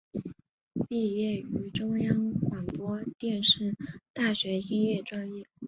毕业于中央广播电视大学英语专业。